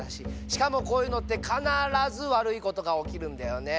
しかもこういうのってかならずわるいことがおきるんだよね。